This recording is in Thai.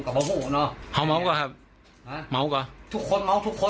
ทุกคนน้องทุกคน